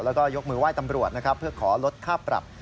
แล้วก็ยกมือไหว้ตำรวจนะครับเพื่อขอลดค่าปรับ